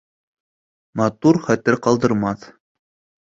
Матур хәтер ҡалдырмаҫ.